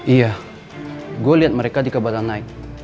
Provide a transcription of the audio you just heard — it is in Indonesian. iya gue lihat mereka di kabanan night